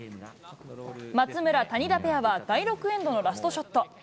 松村・谷田ペアは第６エンドのラストショット。